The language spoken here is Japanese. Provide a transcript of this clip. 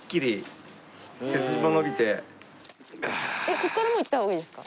ここからいった方がいいですか？